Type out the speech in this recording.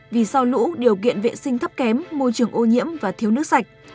vì sao lũ điều kiện vệ sinh thấp kém môi trường ô nhiễm và thiếu nước sạch